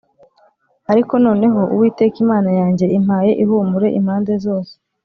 Ariko noneho Uwiteka Imana yanjye impaye ihumure impande zose